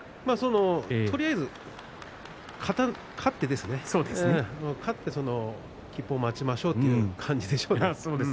とりあえず勝って吉報を待ちましょうという感じでしょうね。